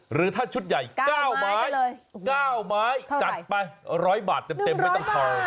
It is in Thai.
หรือถ้าชุดใหญ่๙ไม้๙ไม้จัดไป๑๐๐บาทเต็มไม่ต้องทอ